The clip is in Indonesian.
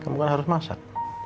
kamu kan harus masak